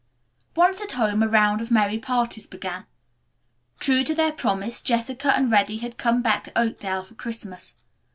Once at home a round of merry parties began. True to their promise Jessica and Reddy had come back to Oakdale for Christmas.